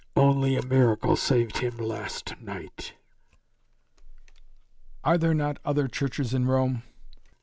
"Only a miracle saved him last night." "Are there not other churches in Rome?"